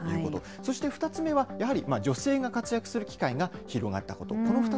そして２つ目は、やはり、女性が活躍する機会が広がったこと。